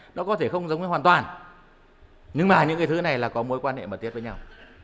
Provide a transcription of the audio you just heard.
nó có thể không giống với hoàn toàn nhưng mà những cái thứ này là có mối quan hệ mật thiết với nhau